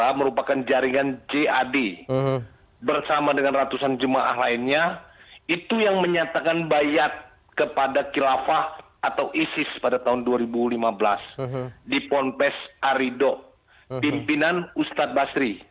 yang merupakan jaringan jad bersama dengan ratusan jemaah lainnya itu yang menyatakan bayat kepada kilafah atau isis pada tahun dua ribu lima belas di ponpes arido pimpinan ustadz basri